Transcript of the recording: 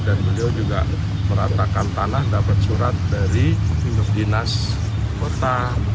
dan beliau juga meratakan tanah dapat surat dari bindu dinas kota